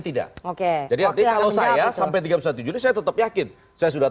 tidak oke jadi artinya kalau saya sampai tiga puluh satu juni saya tetap yakin saya sudah